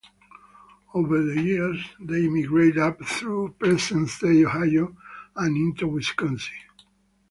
Over the years they migrated up through present-day Ohio and into Wisconsin.